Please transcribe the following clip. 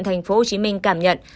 thành phố hồ chí minh cảm nhận